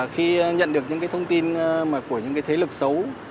khi nhận được những thông tin của những thế lực xấu